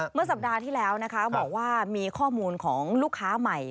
เมื่อสัปดาห์ที่แล้วนะคะบอกว่ามีข้อมูลของลูกค้าใหม่